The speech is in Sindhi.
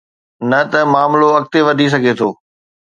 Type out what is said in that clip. نه ته معاملو اڳتي وڌي سگهي ٿو.